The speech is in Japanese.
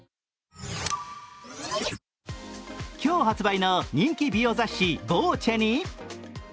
今日発売の人気美容雑誌「ＶＯＣＥ」に「ＴＨＥＴＩＭＥ，」